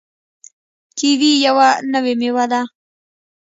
کیوي یوه نوې میوه ده.